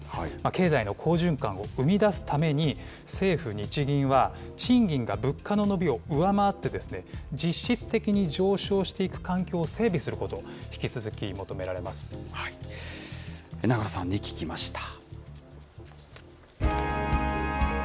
経済の好循環を生み出すために、政府・日銀は賃金が物価の伸びを上回って、実質的に上昇していく環境を整備すること、引き続き、求められま永野さんに聞きました。